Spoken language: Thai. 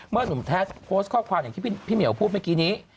หนุ่มแท้โพสต์ข้อความอย่างที่พี่เหี่ยวพูดเมื่อกี้นี้